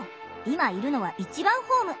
今いるのは１番ホーム。